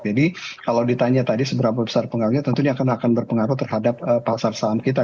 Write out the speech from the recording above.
jadi kalau ditanya tadi seberapa besar pengaruhnya tentunya akan berpengaruh terhadap pasar saham kita